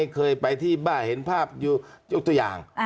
เคยไปที่บ้านเห็นภาพอยู่ยกตัวอย่าง